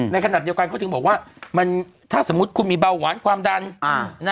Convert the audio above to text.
ในขณะเดียวกันเขาถึงบอกว่าถ้าสมมุติคุณมีเบาหวานความดัน